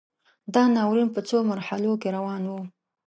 دا ناورین په څو مرحلو کې روان و.